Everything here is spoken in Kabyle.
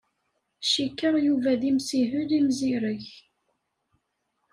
Cikkeɣ Yuba d imsihel imzireg.